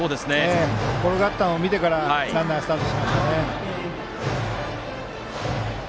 転がったのを見てからランナーがスタートしました。